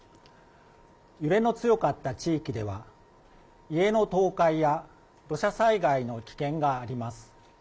揺れの強かった地域では、家の倒壊や土砂災害の危険があります。